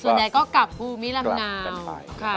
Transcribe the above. ส่วนใดก็กลับภูมิลำเนา